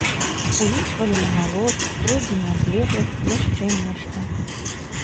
Улічвалі намалот, пройдзеную адлегласць, яшчэ нешта.